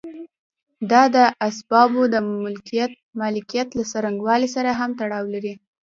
دا د اسبابو د مالکیت له څرنګوالي سره هم تړاو لري.